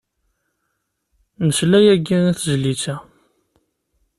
Nesla yagi i tezlit-a.